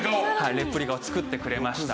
レプリカを作ってくれました。